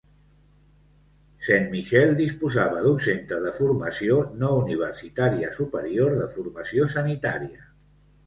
Saint-Michel disposava d'un centre de formació no universitària superior de formació sanitària.